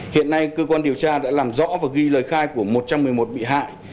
hiện nay cơ quan điều tra đã làm rõ và ghi lời khai của một trăm một mươi một bị hại